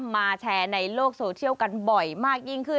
มาแชร์ในโลกโซเชียลกันบ่อยมากยิ่งขึ้น